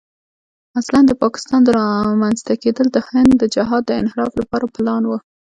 اصلاً د پاکستان رامنځته کېدل د هند د جهاد د انحراف لپاره پلان و.